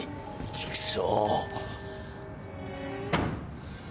畜生！